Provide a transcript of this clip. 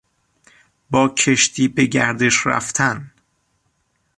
با کشتی به گردش رفتن